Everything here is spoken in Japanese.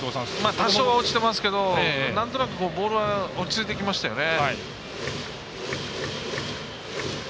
多少は落ちてますけどなんとなくボールは落ち着いてきましたよね。